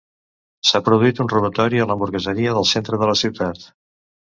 S'ha produït un robatori a l'hamburgueseria del centre de la ciutat.